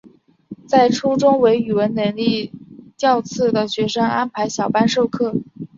在初中为语文能力较次的学生安排小班授课。